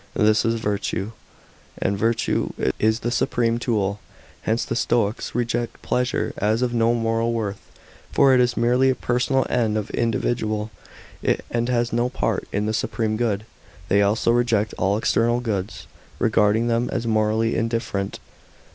This is virtue, and virtue is the supreme goo I. Hence the Stoics reject pleasure as of no moral worth ; for it is merely a personal end of the individual, and has no part in the supreme good. They also reject all external goods, regarding them as morally " indifferent."